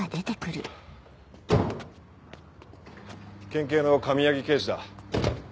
県警の上柳刑事だ。